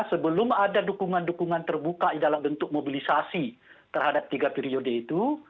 sebelum ada dukungan dukungan terbuka dalam bentuk mobilisasi terhadap tiga periode itu